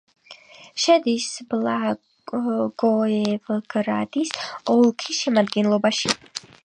შედის ბლაგოევგრადის ოლქის შემადგენლობაში.